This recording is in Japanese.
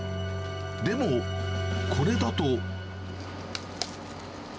でも、これだと。